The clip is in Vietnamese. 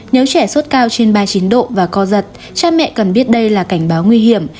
nếu trẻ sốt cao trên ba mươi chín độ và co giật cha mẹ cần biết đây là cảnh báo nguy hiểm